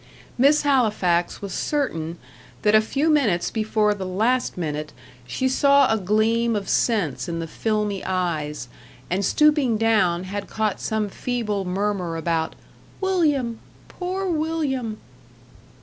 Miss Halifax was certain that a few minutes before the last minute, she saw a gleam of sense in the filmy eyes, and stooping down, had caught some feeble murmur about "William poor William!"